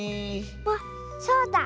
あっそうだ！